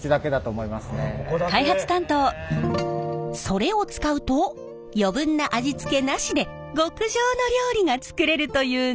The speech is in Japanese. それを使うと余分な味付けなしで極上の料理が作れるというんです。